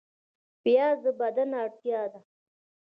پیاز د بدن اړتیا ده